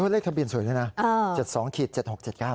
เลขทะเบียนสวยด้วยนะ๗๒๗๖๗๙